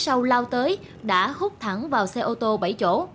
sau lao tới đã hút thẳng vào xe ô tô bảy chỗ